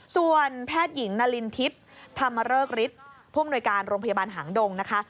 ส่วนแพทย์หญิงนารินทิศทำเลิกฤทธิ์พ่วงหน่วยการโรงพยาบาลหางดงนะคะ